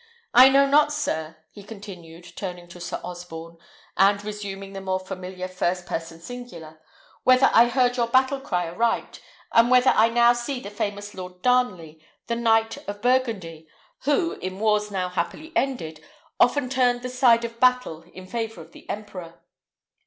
I know not, sir," he continued, turning to Sir Osborne, and resuming the more familiar first person singular, "whether I heard your battle cry aright, and whether I now see the famous Lord Darnley, the knight of Burgundy, who, in wars now happily ended, often turned the tide of battle in favour of the emperor."